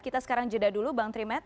kita sekarang jeda dulu bang trimed